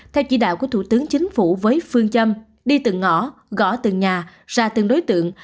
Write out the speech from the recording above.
theo chỉ đạo của thủ tướng chính phủ với phương châm đi từng ngõ gõ từng nhà ra từng đối tượng